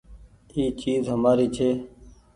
اي چيز همآري ڇي۔